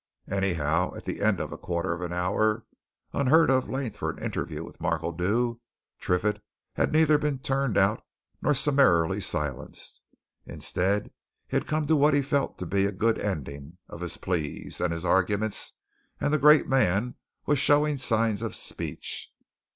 Anyhow, at the end of a quarter of an hour (unheard of length for an interview with Markledew!) Triffitt had neither been turned out nor summarily silenced; instead, he had come to what he felt to be a good ending of his pleas and his arguments, and the great man was showing signs of speech.